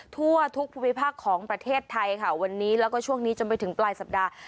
ทั่วทุกภูมิภาคของประเทศไทยค่ะวันนี้แล้วก็ช่วงนี้จนไปถึงปลายสัปดาห์